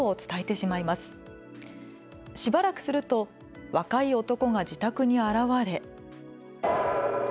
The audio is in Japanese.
しばらくすると若い男が自宅に現れ。